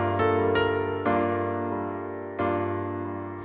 ถ้ายายอยากกินข้าวหนูก็ทอดไข่เจียวหรือต้มม่าให้ยายกินค่ะ